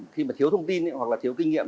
khi mà thiếu thông tin hoặc là thiếu kinh nghiệm